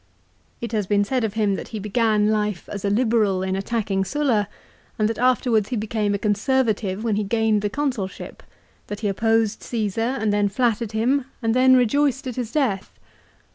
It has been said of him that he began life as a Liberal in attacking Sulla, and that afterwards he became a Conservative when he gained the Consulship ; that he opposed Caesar, and then flattered him, and then rejoiced at his death.